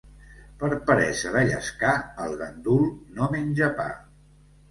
Per peresa de llescar el gandul no menja pa.